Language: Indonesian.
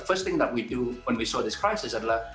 pertama kali yang kita lakukan ketika kita melihat krisis ini adalah